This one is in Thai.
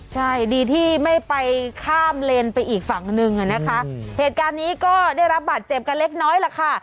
ใช่ดีที่ไม่ไปข้ามเลนไปอีกฝั่งหนึ่งอ่ะนะคะเหตุการณ์นี้ก็ได้รับบาดเจ็บกันเล็กน้อยล่ะค่ะ